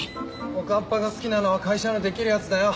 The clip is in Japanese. おかっぱが好きなのは会社のできるヤツだよ。